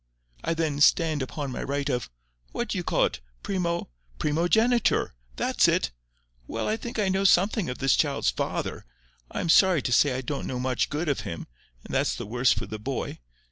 I then stand upon my right of—what do you call it?—primo—primogeniture—that's it! Well, I think I know something of this child's father. I am sorry to say I don't know much good of him, and that's the worse for the boy.